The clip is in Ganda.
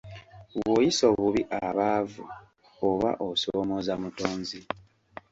Bw'oyisa obubi abaavu, oba osoomooza Mutonzi.